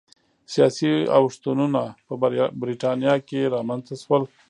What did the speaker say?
سیاسي اوښتونونه په برېټانیا کې رامنځته شول.